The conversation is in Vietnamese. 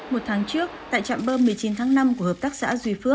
một tháng trước tại trạm bơm một mươi chín tháng năm của hợp tác xã hà du